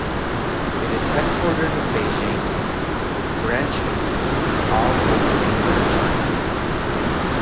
It is headquartered in Beijing, with branch institutes all over mainland China.